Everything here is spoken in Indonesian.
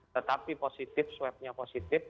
tetapi positif swabnya positif